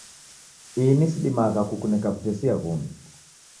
Ini sidimagha kunekana wutesia ghungi